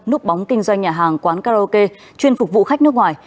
núp bóng kinh doanh nhà hàng quán karaoke chuyên phục vụ khách nước ngoài